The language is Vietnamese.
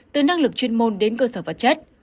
từ năng lực chuyên môn đến cơ sở vật chất